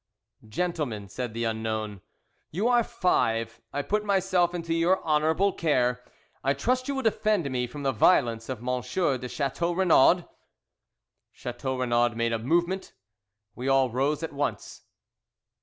"Gentlemen," said the unknown, "you are five, I put myself into your honourable care. I trust you will defend me from the violence of M. de Chateau Renaud!" Chateau Renaud made a movement. We all rose at once.